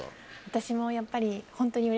私もやっぱり。